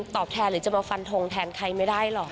ตอบแทนหรือจะมาฟันทงแทนใครไม่ได้หรอก